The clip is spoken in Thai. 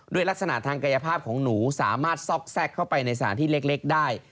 ลักษณะทางกายภาพของหนูสามารถซอกแทรกเข้าไปในสถานที่เล็กได้